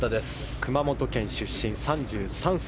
熊本県出身、３３歳。